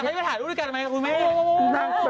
มึงไปถ่ายรูปด้วยกันไหมครับคุณแม่